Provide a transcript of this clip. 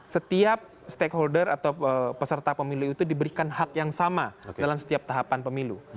setiap stakeholder atau peserta pemilu itu diberikan hak yang sama dalam setiap tahapan pemilu